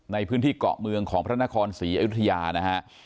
ในพื้นที่เกาะเมืองของพระนครศรีอยุธยานะฮะ